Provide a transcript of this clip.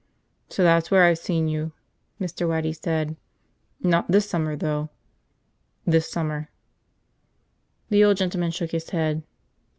"So that's where I've seen you," Mr. Waddy said. "Not this summer, though." "This summer." The old gentleman shook his head.